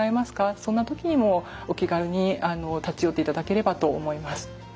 そんな時にもお気軽に立ち寄っていただければと思います。